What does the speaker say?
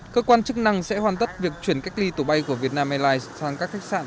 cơ quan chức năng sẽ hoàn tất việc chuyển cách ly tổ bay của vietnam airlines sang các khách sạn